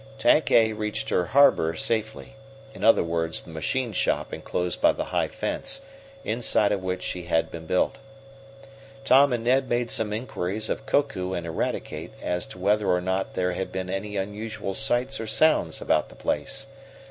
Tank A reached her "harbor" safely in other words, the machine shop enclosed by the high fence, inside of which she had been built. Tom and Ned made some inquiries of Koku and Eradicate as to whether or not there had been any unusual sights or sounds about the place.